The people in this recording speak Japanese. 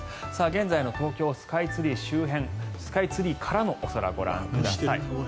現在の東京スカイツリー周辺スカイツリーからのお空ご覧ください。